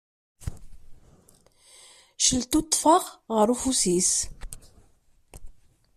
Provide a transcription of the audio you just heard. Celtuṭṭfeɣ ɣer ufus-is.